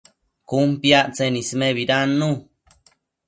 Cun piactsen ismebidannu